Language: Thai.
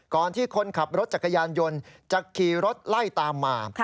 ที่คนขับรถจักรยานยนต์จะขี่รถไล่ตามมา